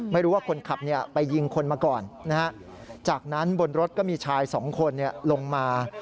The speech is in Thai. ไม่รู้ว่าคนขับไปยิงคนมาก่อนจากนั้นบนรถก็มีชายสองคนลงมา